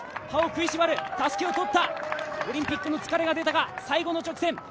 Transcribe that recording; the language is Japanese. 歯を食いしばる、たすきを取った、オリンピックの疲れが出たか、最後の直線。